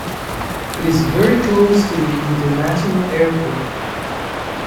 It is very close to the International Airport.